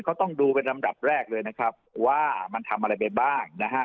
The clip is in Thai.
เขาต้องดูเป็นลำดับแรกเลยนะครับว่ามันทำอะไรไปบ้างนะฮะ